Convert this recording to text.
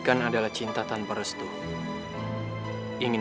ketika lo sudah menangis